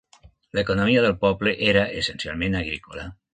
L'economia del poble era essencialment agrícola.